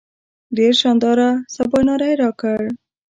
ډېر شانداره سباناری راکړ.